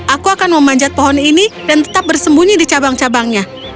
aku akan memanjat pohon ini dan tetap bersembunyi di cabang cabangnya